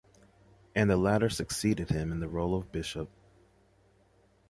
And the latter succeeded him in the role of Bishop.